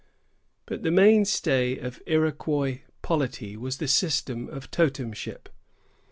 But the main stay of Iroquois polity was the system of totemship.